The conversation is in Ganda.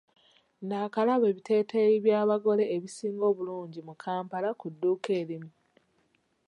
Nnaakalaba ebiteeteeyi by'abagole ebisinga obulungi mu kampala ku dduuka erimu.